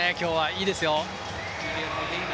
いいですよ。